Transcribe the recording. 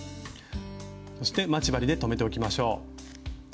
そして待ち針で留めておきましょう。